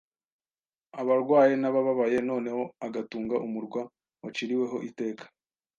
abarwaye n'abababaye noneho agutunga umurwa waciriweho iteka,